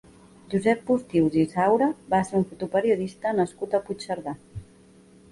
Josep Postius i Saura va ser un fotoperiodista nascut a Puigcerdà.